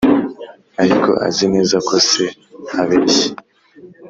ariko azi neza ko se abeshya,